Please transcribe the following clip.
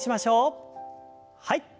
はい。